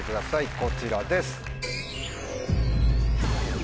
こちらです。